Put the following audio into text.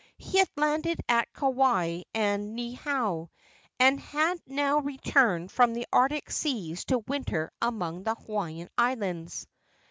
He had landed at Kauai and Niihau, and had now returned from the Arctic seas to winter among the Hawaiian Islands.